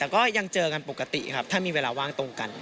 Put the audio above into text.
แต่ก็ยังเจอกันปกติครับถ้ามีเวลาว่างตรงกัน